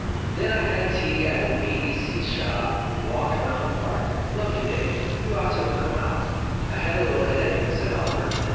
"Then I had tea at an A B C shop, and walked round the Park. Lovely day : you ought to have come out." " I had a little headache," said Oliver.